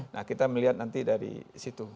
nah kita melihat nanti dari situ